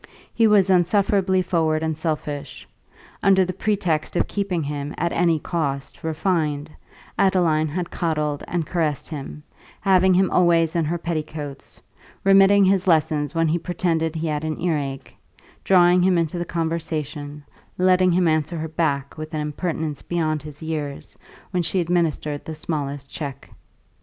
He was insufferably forward and selfish; under the pretext of keeping him, at any cost, refined, Adeline had coddled and caressed him, having him always in her petticoats, remitting his lessons when he pretended he had an earache, drawing him into the conversation, letting him answer her back, with an impertinence beyond his years, when she administered the smallest check.